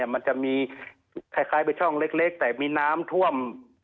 มันจะมีคล้ายเป็นช่องเล็กแต่มีน้ำท่วม